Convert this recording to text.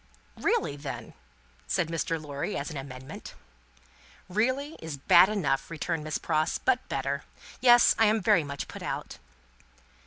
"Really, then?" said Mr. Lorry, as an amendment. "Really, is bad enough," returned Miss Pross, "but better. Yes, I am very much put out."